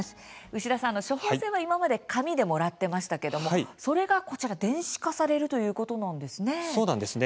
牛田さん、処方箋は今まで紙でもらってましたけどもそれがこちら、電子化されるということなんですね。